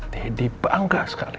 daddy bangga sekali